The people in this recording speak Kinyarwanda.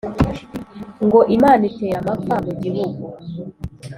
ngo: imana itera amapfa mu gihugu